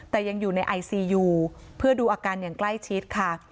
แต่ยังอยู่ในไอซียูเพื่อดูอาการอย่างใกล้ชิดค่ะ